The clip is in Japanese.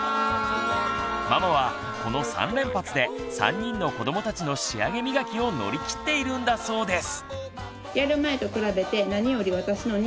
ママはこの３連発で３人の子どもたちの仕上げ磨きを乗り切っているんだそうです！